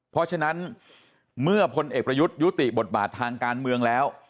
เพราะฉะนั้นเมื่อพลเอกประยุทธ์ยุติบทบาททางการเมืองแล้ว